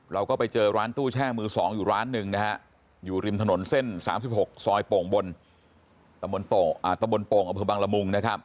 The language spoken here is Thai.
เราไปเจอร้านตู้แช่มือ๒อยู่ร้าน๑นะครับอยู่ริมถนนเส้น๓๖ซอยโป่งบนบางระมุง